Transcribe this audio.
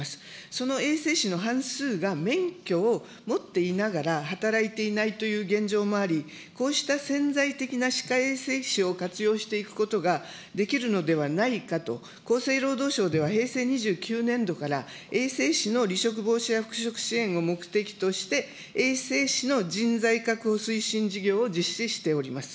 その衛生士の半数が免許を持っていながら、働いていないという現状もあり、こうした潜在的な歯科衛生士を活用していくことができるのではないかと、厚生労働省では、平成２９年度から、衛生士の離職防止や復職支援を目的として、衛生士の人材確保推進事業を実施しております。